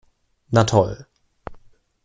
Na toll!